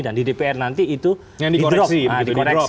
dan di dpr nanti itu di drop